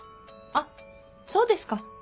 あっそうですか。